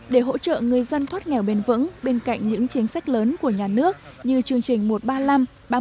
để hỗ trợ người dân thoát nghèo bền vững bên cạnh những chính sách lớn của nhà nước như chương trình một trăm ba mươi năm ba mươi